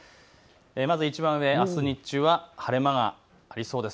まずいちばん上、あす日中は晴れ間がありそうです。